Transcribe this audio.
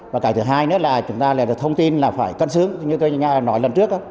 và cái thứ hai nữa là chúng ta là được thông tin là phải cân xướng như tôi nói lần trước đó